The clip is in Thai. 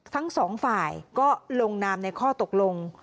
ทั้งสองฝ่ายก็ลงนามในข้อตกลง